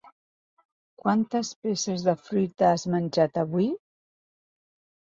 Quantes peces de fruita has menjat avui?